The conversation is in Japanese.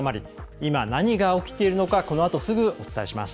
今、何が起きているのかこのあとすぐお伝えします。